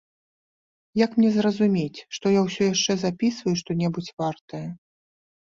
Як мне зразумець, што я ўсё яшчэ запісваю што-небудзь вартае?